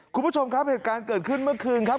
คุณผู้ชมครับเหตุการณ์เกิดขึ้นเมื่อคืนครับ